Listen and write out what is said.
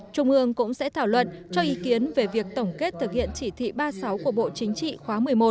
trung ương cũng sẽ thảo luận cho ý kiến về việc tổng kết thực hiện chỉ thị ba mươi sáu của bộ chính trị khóa một mươi một